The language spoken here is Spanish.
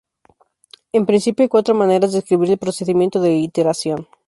En principio, hay cuatro maneras de escribir el procedimiento de iteración.